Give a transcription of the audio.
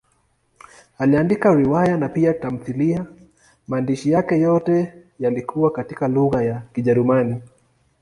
Aliandika riwaya na pia tamthiliya; maandishi yake yote yalikuwa katika lugha ya Kijerumani.